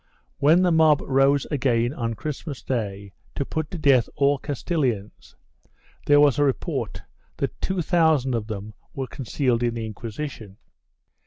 When the mob rose again on Christmas day, to put to death all Cas tilians, there was a report that two thousand of them were con cealed in the Inquisition.